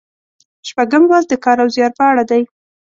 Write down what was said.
شپږم لوست د کار او زیار په اړه دی.